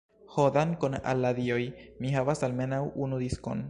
Ho, dankon al la Dioj, mi havas almenaŭ unu diskon.